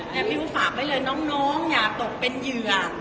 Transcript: ใช้วิวฝากไว้เลยน้องอย่าตกเป็นเหยือ